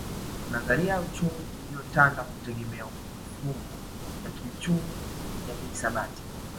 Nadharia ya uchumi iliyotanda hutegemea mifumo ya kiuchumi ya kihisabati